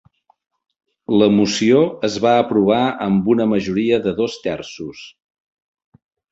La moció es va aprovar amb una majoria de dos terços.